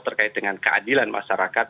terkait dengan keadilan masyarakat